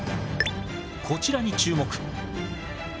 こちらに注目。